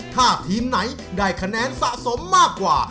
ถ้าทีมไหนได้คะแนนสะสมมากกว่า